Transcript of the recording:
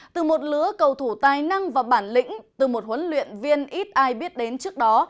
từ một lứa cầu thủ tài năng và bản lĩnh từ một huấn luyện viên ít ai biết đến trước đó